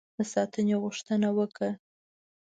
د ساتنې غوښتنه وکړه.